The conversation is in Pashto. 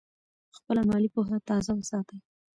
خپله مالي پوهه تازه وساتئ.